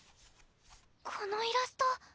このイラスト！